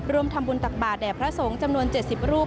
ร่วมธรรมาตรภัยแห่งพระสงค์จำนวน๗๐รูป